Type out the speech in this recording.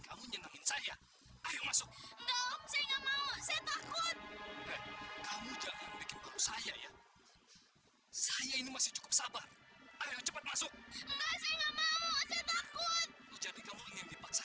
cepet masuk enggak mau takut jadi kamu ingin dipaksa